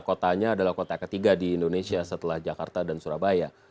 kotanya adalah kota ketiga di indonesia setelah jakarta dan surabaya